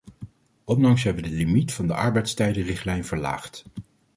Onlangs hebben we de limiet in de arbeidstijdenrichtlijn verlaagd.